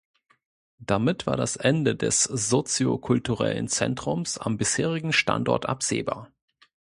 Damit war das Ende des soziokulturellen Zentrums am bisherigen Standort absehbar.